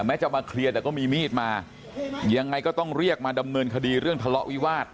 จะมาเคลียร์แต่ก็มีมีดมายังไงก็ต้องเรียกมาดำเนินคดีเรื่องทะเลาะวิวาส